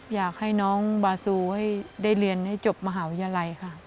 อยากให้น้องบาซูให้ได้เรียนให้จบมหาวิทยาลัยค่ะ